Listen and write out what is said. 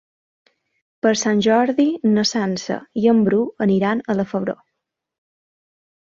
Per Sant Jordi na Sança i en Bru aniran a la Febró.